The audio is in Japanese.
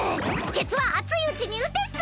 「鉄は熱いうちに打て」っス！